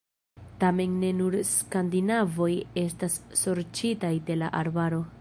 Tamen ne nur skandinavoj estas sorĉitaj de la arbaro.